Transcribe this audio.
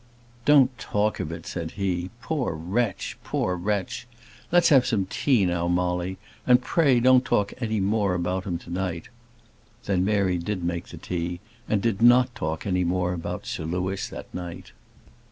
"Don't talk of it," said he. "Poor wretch! poor wretch! Let's have some tea now, Molly, and pray don't talk any more about him to night." Then Mary did make the tea, and did not talk any more about Sir Louis that night.